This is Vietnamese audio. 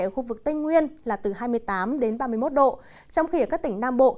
ở khu vực tây nguyên là từ hai mươi tám ba mươi một độ trong khi ở các tỉnh nam bộ